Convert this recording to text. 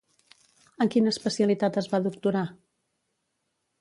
En quina especialitat es va doctorar?